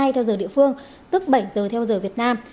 theo giờ địa phương tức bảy giờ theo giờ việt nam